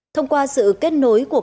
thưa quý vị và các đồng chí